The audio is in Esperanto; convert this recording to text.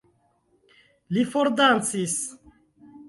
Li fordancis.